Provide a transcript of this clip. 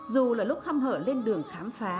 dù là lúc khăm hở lên đường khám phá